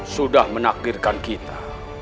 sudah menakdirkan kita